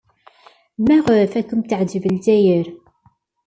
Maɣef ay kent-teɛjeb Lezzayer?